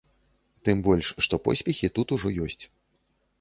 Тым больш, што поспехі тут ужо ёсць.